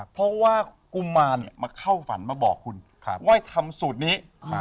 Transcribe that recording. เพราะว่ากุมารมาเข้าฝันมาบอกคุณว่าทำสูตรนี้